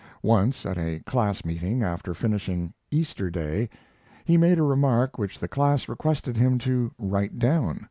Once, at a class meeting, after finishing "Easter Day," he made a remark which the class requested him to "write down."